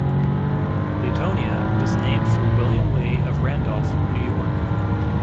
Leetonia was named for William Lee of Randolph, New York.